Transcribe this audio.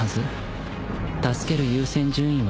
助ける優先順位は低い